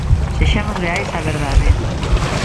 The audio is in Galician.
Sexamos leais á verdade.